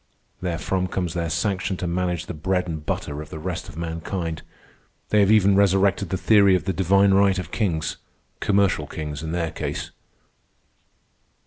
Therefrom comes their sanction to manage the bread and butter of the rest of mankind. They have even resurrected the theory of the divine right of kings—commercial kings in their case.